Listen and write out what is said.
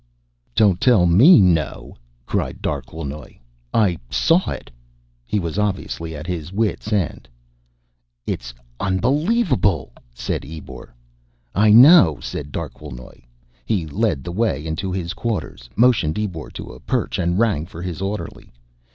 "Don't tell me no!" cried Darquelnoy. "I saw it!" He was obviously at his wit's end. "It's unbelievable," said Ebor. "I know," said Darquelnoy. He led the way into his quarters, motioned Ebor to a perch, and rang for his orderly.